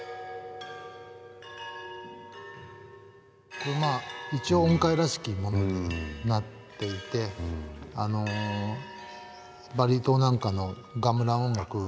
これまあ一応音階らしきものになっていてバリ島なんかのガムラン音楽にも近いような。